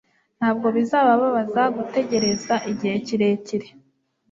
Ntabwo bizababaza gutegereza igihe kirekire